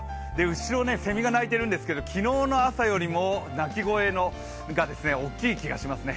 後ろ、セミが鳴いているんですけど昨日の朝よりも鳴き声の歌、大きい気がしますね。